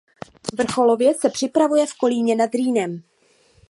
Vrcholově se připravuje v Kolíně nad Rýnem.